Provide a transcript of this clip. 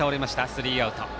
スリーアウト。